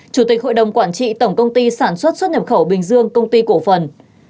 chủ tịch hội đồng quản trị tổng công ty sản xuất xuất nhập khẩu bình dương công ty cổ phần